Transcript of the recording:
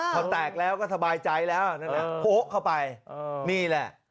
พอแตกแล้วก็สบายใจแล้วนะโพะเข้าไปนี่แหละ